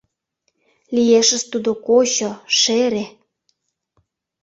Лиешыс тудо кочо, шере.